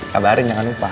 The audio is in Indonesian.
kabarin jangan lupa